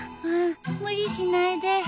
うん無理しないで。